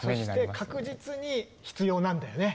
そして確実に必要なんだよね